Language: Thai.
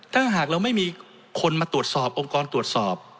ถ้าหากเราไม่มีคนมาตรวจสอบองค์กรตรวจสอบ